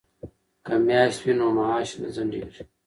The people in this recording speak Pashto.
که میاشت وي نو معاش نه ځنډیږي.